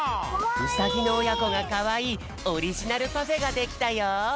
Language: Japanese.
ウサギのおやこがかわいいオリジナルパフェができたよ！